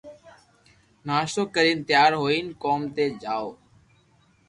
ناݾتو ڪرين تيار ھوئين ڪوم تي جاوُث